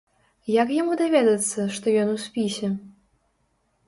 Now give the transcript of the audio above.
Як яму даведацца, што ён у спісе?